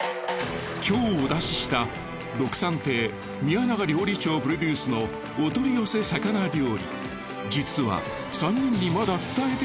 今日お出ししたろくさん亭宮永料理長プロデュースのお取り寄せ魚料理実は。